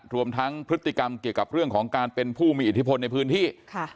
รวมทั้งพฤติกรรมเกี่ยวกับเรื่องของการเป็นผู้มีอิทธิพลในพื้นที่